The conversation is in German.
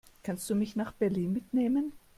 Kannst du mich nach Berlin mitnehmen?